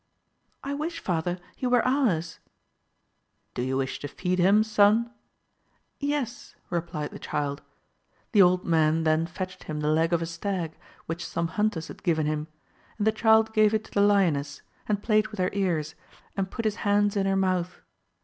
— ^I wish father he were ours !— Do you wish to feed him son ? Yes, replied the child ; the old man then fetched him the leg of a stag, which some hunters had given him, and the child gave it to the lioness, and played with her ears, and put his 240 AMADIS OF GAUL hands in her mouth.